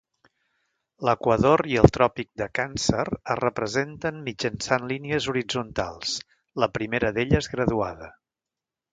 L'equador i el tròpic de Càncer es representen mitjançant línies horitzontals, la primera d'elles graduada.